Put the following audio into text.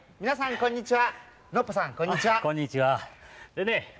こんにちは。